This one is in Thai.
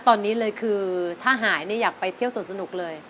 ตอนนี้เลยคือถ้าหายอยากไปเที่ยวส่วนสนุกเลย